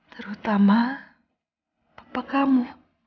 terutama papa kamu